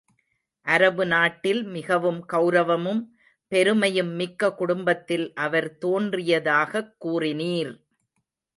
அரபு நாட்டில் மிகவும் கெளரவமும் பெருமையும் மிக்க குடும்பத்தில் அவர் தோன்றியதாகக் கூறினீர்.